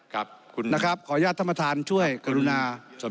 ขออนุญาตท่านประธานช่วยกรุณาถอนครับ